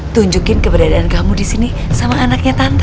tunjukin keberadaan kamu disini sama anaknya tante